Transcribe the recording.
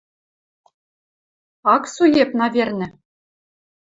— Ак суеп, навернӹ.